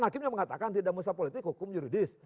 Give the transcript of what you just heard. hakimnya mengatakan tidak musnah politik hukum juridis